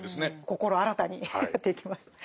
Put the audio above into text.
心新たにやっていきましょう。